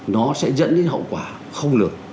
nó sẽ dẫn đến hậu quả không được